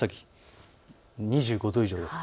２５度以上です。